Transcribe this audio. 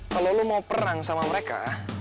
kalau lo mau perang sama mereka